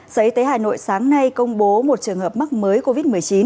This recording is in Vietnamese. giới tế hà nội sáng nay công bố một trường hợp mắc mới covid một mươi chín